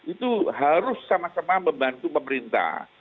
itu harus sama sama membantu pemerintah